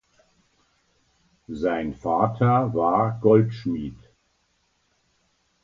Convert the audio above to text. Sein Vater war Goldschmied.